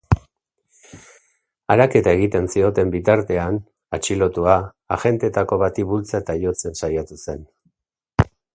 Araketa egiten zioten bitartean, atxilotuak agenteetako bati bultza eta jotzen saiatu zen.